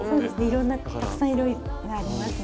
いろんなたくさん色がありますので。